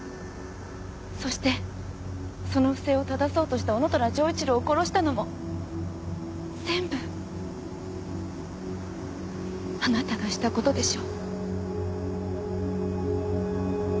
そしてその不正をただそうとした男虎丈一郎を殺したのも全部あなたがしたことでしょ。